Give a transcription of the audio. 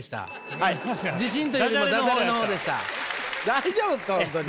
大丈夫です。